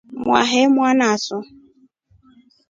Mwahe mwanaso.